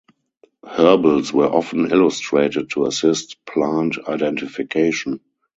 Herbals were often illustrated to assist plant identification.